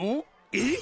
えっ？